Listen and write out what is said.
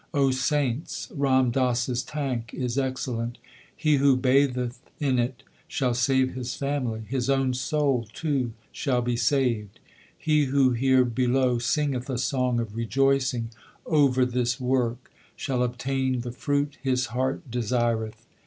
saints, Ram Das s 2 tank is excellent : He who batheth in it shall save his family ; his own soul too shall be saved. He who here below singeth a song of rejoicing over this work, Shall obtain the fruit his heart desire th.